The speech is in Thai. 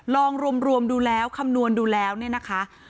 ลองรวมดูแล้วคำนวณดูแล้วเนี่ยนะคะ